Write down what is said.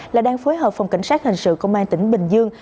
là đang phối hợp phòng cảnh sát hình sự công an tỉnh bình dương